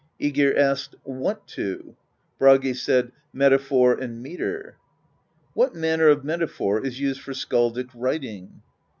^gir asked: "What two?" Bragi said: "Metaphor and metre." "What manner of metaphor is used for skaldic writing?"